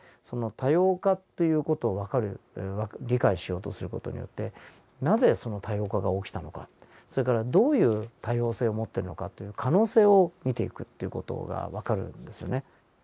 その多様化という事をわかる理解しようとする事によってなぜその多様化が起きたのかそれからどういう多様性を持ってるのかという可能性を見ていくという事がわかるんですよね。